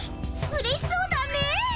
うれしそうだね。